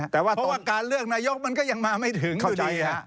แต่ว่าการเลือกนายกมันก็ยังมาไม่ถึงอยู่ดี